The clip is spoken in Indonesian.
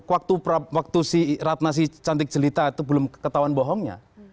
waktu si ratna si cantik jelita itu belum ketahuan bohongnya